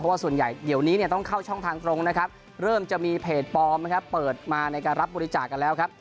เพราะส่วนใหญ่ต้องเข้าช่องทางตรงเริ่มจะมีเพจปลอมเปิดมาในการรับบริจาคกันแล้ว